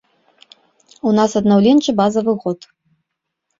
У нас аднаўленчы базавы год.